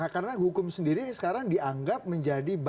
karena hukum sendiri sekarang dianggap menjadi